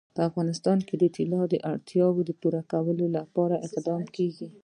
په افغانستان کې د طلا د اړتیاوو پوره کولو لپاره اقدامات کېږي.